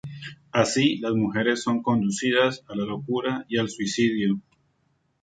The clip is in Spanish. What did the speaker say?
Así las mujeres son conducidas a la locura y al suicidio.